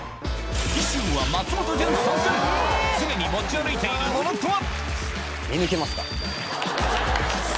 次週は松本潤参戦常に持ち歩いているものとは？